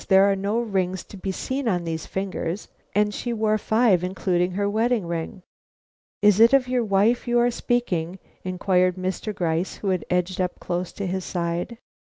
There are no rings to be seen on these fingers, and she wore five, including her wedding ring." "Is it of your wife you are speaking?" inquired Mr. Gryce, who had edged up close to his side.